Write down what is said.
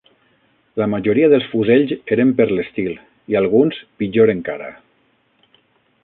La majoria dels fusells eren per l'estil, i alguns pitjor encara